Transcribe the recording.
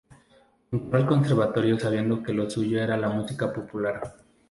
Entró al conservatorio sabiendo que lo suyo era la música popular.